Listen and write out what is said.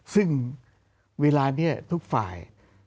ซึ่งเวลานี้ทุกฝ่าย